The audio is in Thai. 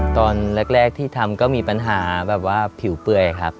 ตอนแรกที่ทำก็มีปัญหาแบบว่าผิวเปื่อยครับ